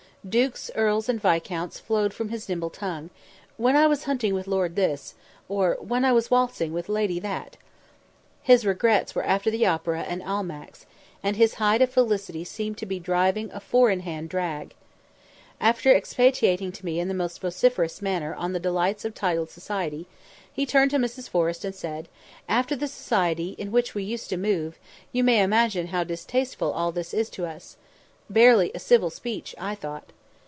Dukes, earls, and viscounts flowed from his nimble tongue "When I was hunting with Lord this," or "When I was waltzing with Lady that." His regrets were after the Opera and Almack's, and his height of felicity seemed to be driving a four in hand drag. After expatiating to me in the most vociferous manner on the delights of titled society, he turned to Mrs. Forrest and said, "After the society in which we used to move, you may imagine how distasteful all this is to us" barely a civil speech, I thought.